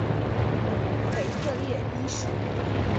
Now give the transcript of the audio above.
腓特烈一世。